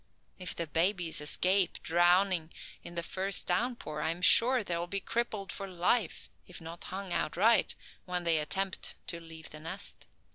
If the babies escape drowning in the first down pour, I am sure they'll be crippled for life, if not hung outright, when they attempt to leave the nest.